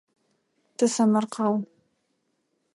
Тэсэмэркъэу.